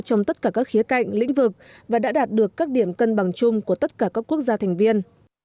trong tất cả các khía cạnh lĩnh vực và đã đạt được các điểm cân bằng chung của tất cả các quốc gia thành viên